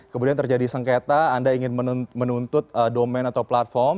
kemudian terjadi sengketa anda ingin menuntut domain atau platform